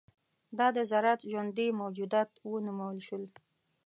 دا ذرات ژوندي موجودات ونومول شول.